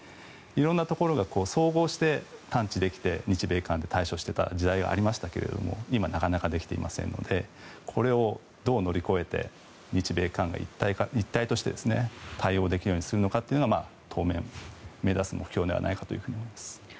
色んなところが総合して探知できて日米韓で対処していた時代がありましたけれども今、なかなかできていませんのでこれをどう乗り越えて日米韓が一体として対応できるようにするのかというのが当面、目指す目標になるのではないかと思います。